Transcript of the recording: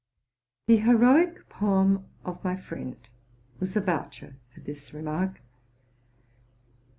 The heroic poem of my friend was a voucher for this re mark.